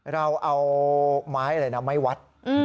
เราเอาไม้อะไรนะไม่วัด